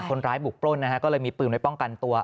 คนร้ายบุกปล้นนะฮะก็เลยมีปืนไว้ป้องกันตัว